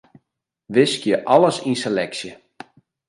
Wiskje alles yn seleksje.